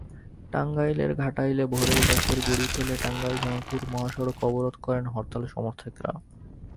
টাঙ্গাইলের ঘাটাইলে ভোরেই গাছের গুঁড়ি ফেলে টাঙ্গাইল-জামালপুর মহাসড়ক অবরোধ করেন হরতাল-সমর্থকেরা।